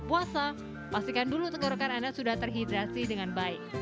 puasa pastikan dulu tenggorokan anda sudah terhidrasi dengan baik